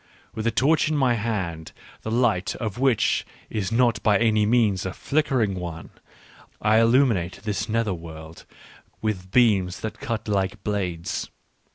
With a torch in my hand, the light of which is not by any means a flickering one, I illuminate this nether world with beams that cut like blades.